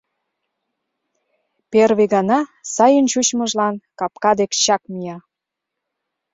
Первый гана сайын чучмыжлан капка дек чак мия.